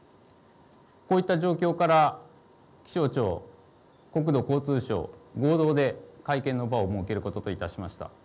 こういった状況から気象庁、国土交通省合同で会見の場を設けることといたしました。